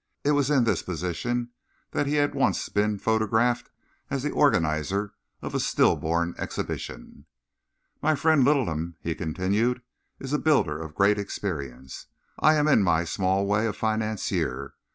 It was in this position that he had once been photographed as the organiser of a stillborn Exhibition. "My friend Littleham," he continued, "is a builder of great experience. I am, in my small way, a financier.